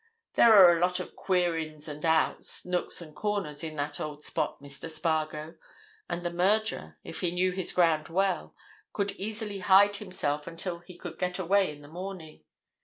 There are a lot of queer ins and outs, nooks and corners in that old spot, Mr. Spargo, and the murderer, if he knew his ground well, could easily hide himself until he could get away in the morning.